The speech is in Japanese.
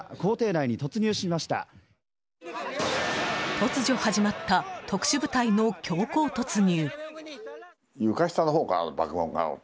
突如始まった特殊部隊の強行突入。